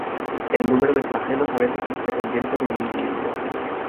El número de flagelos a veces es dependiente del individuo.